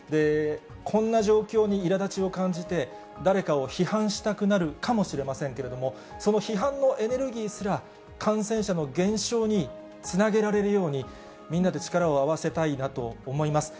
こんな状況にいらだちを感じて、誰かを批判したくなるかもしれませんけれども、その批判のエネルギーすら、感染者の減少につなげられるように、みんなで力を合わせたいなと思います。